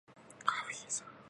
ガフィーザ